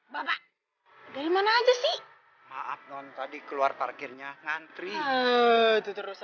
bapak dari mana aja sih maaf non tadi keluar parkirnya ngantri itu terus